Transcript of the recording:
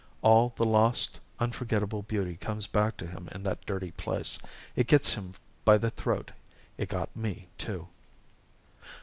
All the lost, unforgettable beauty comes back to him in that dirty place; it gets him by the throat. It got me, too.